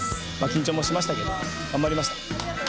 緊張もしましたけど、頑張りました。